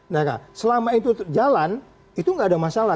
nah selama itu jalan itu nggak ada masalah